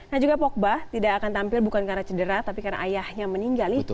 nah juga pogba tidak akan tampil bukan karena cedera tapi karena ayahnya meninggal itu